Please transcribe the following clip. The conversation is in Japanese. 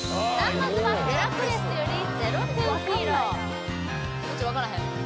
まずは「ヘラクレス」より「ゼロ・トゥ・ヒーロー」